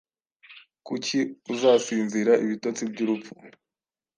Kuki uzasinzira ibitotsi byurupfu